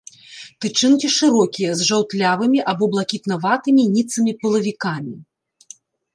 Тычынкі шырокія, з жаўтлявымі або блакітнаватымі ніцымі пылавікамі.